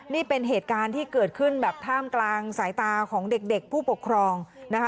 นี่เป็นเหตุการณ์ที่เกิดขึ้นแบบท่ามกลางสายตาของเด็กผู้ปกครองนะคะ